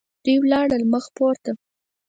دوی ولاړل مخ پورته.